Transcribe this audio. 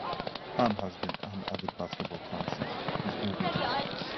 Pan has been an avid basketball fan since his early youth.